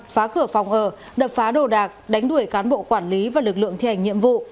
phá cửa phòng ở đập phá đồ đạc đánh đuổi cán bộ quản lý và lực lượng thi hành nhiệm vụ